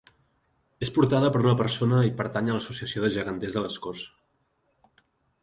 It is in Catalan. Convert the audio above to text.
És portada per una persona i pertany a l’Associació de Geganters de les Corts.